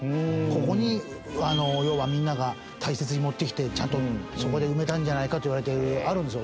ここに要はみんなが大切に持ってきてちゃんとそこで埋めたんじゃないかといわれてるあるんですよ